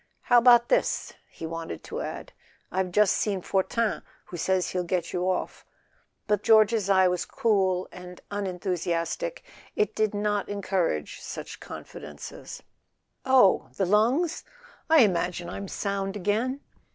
"How about this ?" He wanted to add: "I've just seen Fortin, who says he'll get you off"; but though George's eye was cool and unenthusiastic it did not encourage such confidences. "Oh—lungs? I imagine I'm sound again."